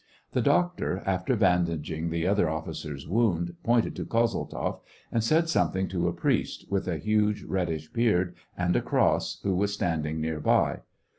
The doctor, after bandaging the other officer's wound, pointed to Kozeltzoff, and said something to a priest, with a huge reddish beard, and a cross, who was standing near by.